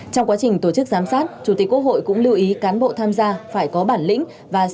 trong quá trình tổ chức giám sát chủ tịch quốc hội cũng lưu ý cán bộ tham gia phải có bản lĩnh và sẽ có cách